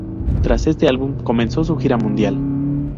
Tras este álbum comenzó su gira mundial.